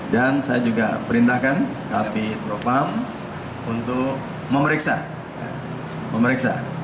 dan saya juga perintahkan kapi profam untuk memeriksa